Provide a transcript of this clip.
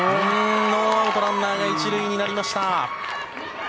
ノーアウトランナーが１塁になりました。